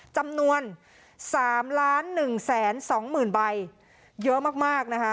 จำนวน๓๑๒๐๐๐๐บาทเยอะมาก